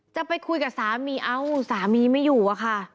จะไปคุยกับสามีเอ้าสามีไม่อยู่อะค่ะ